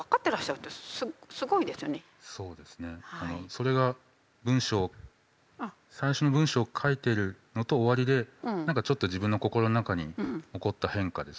それが文章最初の文章を書いているのと終わりで何かちょっと自分の心の中に起こった変化でした。